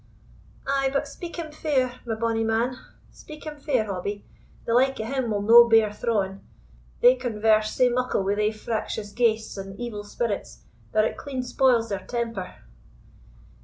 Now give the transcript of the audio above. "Ay, but speak him fair, my bonny man speak him fair Hobbie; the like o' him will no bear thrawing. They converse sae muckle wi' thae fractious ghaists and evil spirits, that it clean spoils their temper."